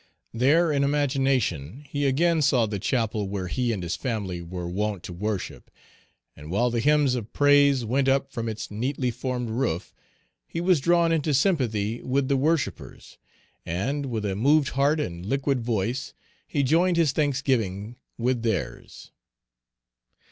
There, in imagination, he again saw the chapel where he and his family were wont to worship, and while the hymns of praise went up from its neatly formed roof, he was drawn into sympathy with the worshippers, and, with a moved heart and liquid voice, he joined his thanksgiving with theirs.